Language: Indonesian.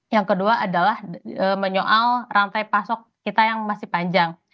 yang kedua adalah menyoal rantai pasok kita yang masih panjang